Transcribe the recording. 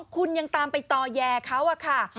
คุณยังตามไปต่อแย่เขาอะค่ะ